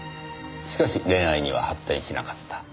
しかし恋愛には発展しなかった。